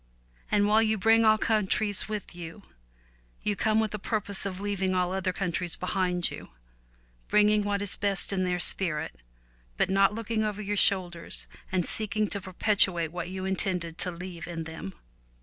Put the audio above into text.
And while you bring all countries with you, you come with a purpose of leaving all other countries behind you — bringing what is best of their spirit, but not looking over your shoulders and seeking to perpetuate what you intended to leave in them.